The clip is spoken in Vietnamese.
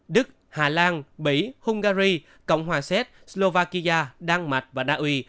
đức hà lan bỉ hungary cộng hòa séc slovakia đan mạch và naui